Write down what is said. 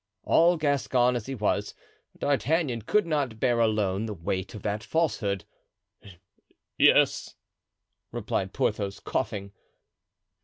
All Gascon as he was, D'Artagnan could not bear alone the weight of that falsehood. "Yes," replied Porthos, coughing.